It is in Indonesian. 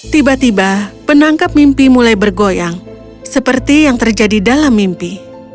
tiba tiba penangkap mimpi mulai bergoyang seperti yang terjadi dalam mimpi